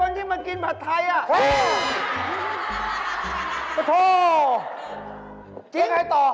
เนื่องไหนต่อ